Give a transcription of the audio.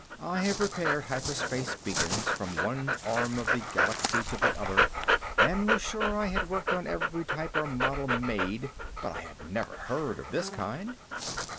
I have repaired hyperspace beacons from one arm of the Galaxy to the other and was sure I had worked on every type or model made. But I had never heard of this kind.